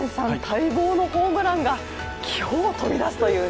待望のホームランが今日飛び出すという。